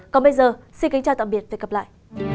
còn bây giờ xin kính chào tạm biệt và hẹn gặp lại